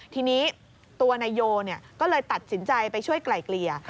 ทีนี้ตัวนายโยก็เลยตัดสินใจไปช่วยไกล่เกลี่ย